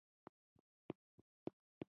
زما یو ملګری ښي لور او زه چپ لور ته لاړم